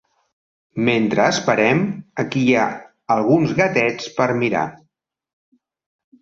Mentre esperem, aquí hi ha alguns gatets per mirar.